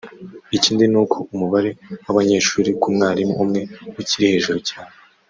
ikindi n’uko umubare w’abanyeshuri ku mwarimu umwe ukiri hejuru cyane